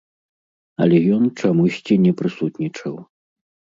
Але ён чамусьці не прысутнічаў.